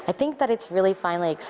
saya pikir ini sangat menarik